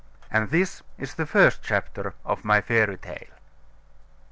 And this is the first chapter of my fairy tale.